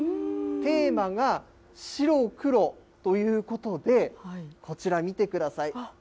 テーマが、白黒ということで、こちら見てください。